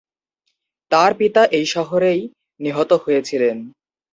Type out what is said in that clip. তার পিতা এই শহরেই নিহত হয়েছিলেন।